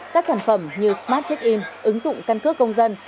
các sản phẩm như smart check in ứng dụng căn cước công dân